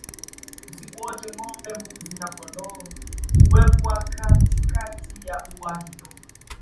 Usiku wote ngombe mbuzi na kondoo huwekwa katikati ya ua hilo